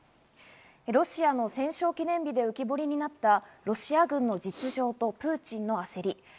ロシアの戦勝記念日で浮き彫りになったロシア軍の実情とプーチンの焦り。